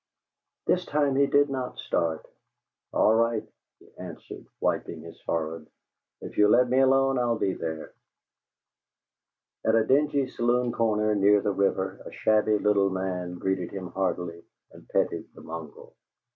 This time he did not start. "All right," he answered, wiping his forehead; "if you'll let me alone, I'll be there." At a dingy saloon corner, near the river, a shabby little man greeted him heartily and petted the mongrel.